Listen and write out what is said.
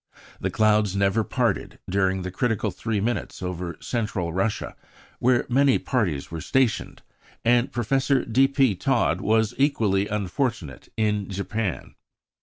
The clouds never parted, during the critical three minutes, over Central Russia, where many parties were stationed, and Professor D. P. Todd was equally unfortunate in Japan.